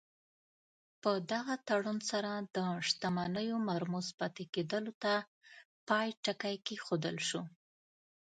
په دغه تړون سره د شتمنیو مرموز پاتې کېدلو ته پای ټکی کېښودل شو.